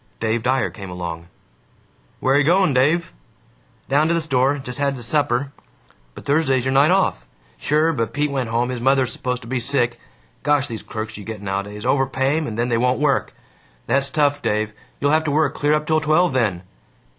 Dave Dyer came along. "Where going, Dave?" "Down to the store. Just had supper." "But Thursday 's your night off." "Sure, but Pete went home. His mother 's supposed to be sick. Gosh, these clerks you get nowadays overpay 'em and then they won't work!" "That's tough, Dave. You'll have to work clear up till twelve, then."